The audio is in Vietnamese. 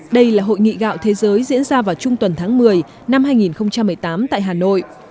đây là hội nghị gạo thế giới diễn ra vào trung tuần tháng một mươi năm hai nghìn một mươi tám tại hà nội